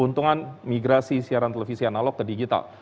keuntungan migrasi siaran televisi analog ke digital